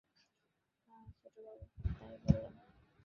হা ছোটবাবু, তাই বললাম?